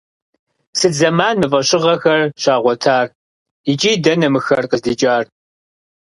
Сыт зэман мы фӀэщыгъэхэр щагъуэтар, икӀи дэнэ мыхэр къыздикӀар?